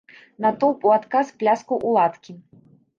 Натоўп у адказ пляскаў у ладкі.